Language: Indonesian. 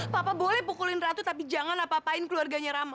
papa boleh pukulin ratu tapi jangan apa apain keluarganya ramah